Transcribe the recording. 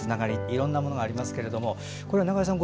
いろんなものがありますけど中江さん